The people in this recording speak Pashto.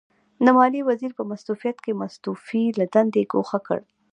د ماليې وزیر په مستوفیت کې مستوفي له دندې ګوښه کړ.